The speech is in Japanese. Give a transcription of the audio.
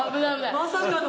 まさかの。